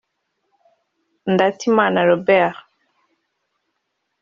Ndatimana Robert